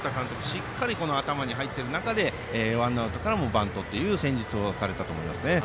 しっかり頭に入っている中でワンアウトからバントという戦術をされたと思います。